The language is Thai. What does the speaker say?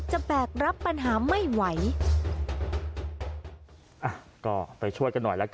จะแบกรับปัญหาไม่ไหว